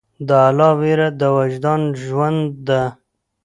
د الله ویره د وجدان ژوند ده.